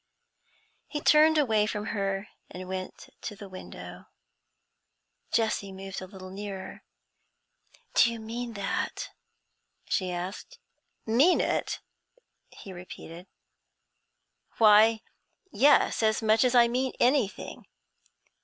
He turned away from her, and went to the 'window. Jessie moved a little nearer. 'Do you mean that?' she asked. 'Mean it?' he repeated, 'why, yes, as much as I mean anything.